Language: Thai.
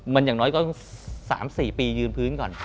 มันอย่างน้อยก็๓๔ปียืนพื้นก่อน